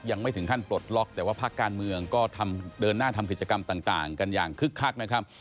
ยังไม่ถึงขั้นปลดล็อกแต่ว่าภาคการเมืองก็เดินหน้าทำกิจกรรมต่างกันอย่างคึกคักนะครับ